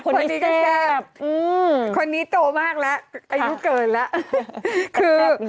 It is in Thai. คนนี้ก็แซ่บคนนี้โตมากแล้วอายุเกินแล้วคือ